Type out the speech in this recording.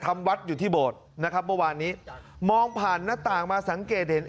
วัดอยู่ที่โบสถ์นะครับเมื่อวานนี้มองผ่านหน้าต่างมาสังเกตเห็น